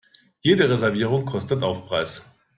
Jede Reservierung kostet Aufpreis.